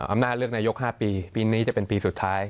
อำนาจเลือกนายก๕ปีปีนี้จะเป็นปีสุดท้าย